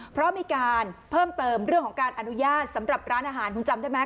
เพราะมีการเพิ่มเติมเรื่องของการอนุญาตสำหรับร้านอาหารคุณจำได้ไหม